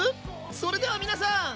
それでは皆さん。